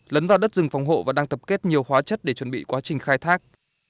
lấn vào đất rừng phòng hộ và đang tập kết nhiều hóa chất để chuẩn bị quá trình khai thác